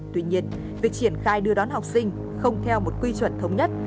tuy nhiên việc triển khai đưa đón học sinh không theo một quy chuẩn thống nhất